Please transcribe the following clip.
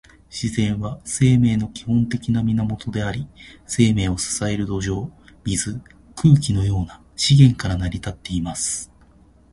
自然は、生命の基本的な源であり、生命を支える土壌、水、空気のような資源から成り立っています。